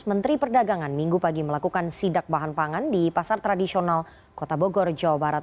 menteri perdagangan minggu pagi melakukan sidak bahan pangan di pasar tradisional kota bogor jawa barat